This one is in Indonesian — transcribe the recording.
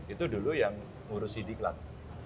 itu dulu yang ngurus siklat